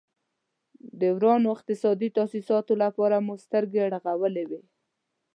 د ورانو اقتصادي تاسیساتو لپاره مو سترګې غړولې وې.